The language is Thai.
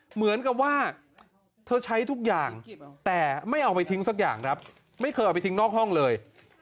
เหมือนกับว่าเธอใช้ทุกอย่างแต่ไม่เอาไปทิ้งสักอย่างครับไม่เคยเอาไปทิ้งนอกห้องเลย